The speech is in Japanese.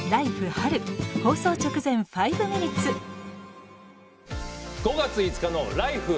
春」放送直前「５ミニッツ」５月５日の「ＬＩＦＥ！